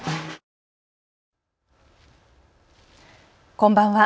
こんばんは。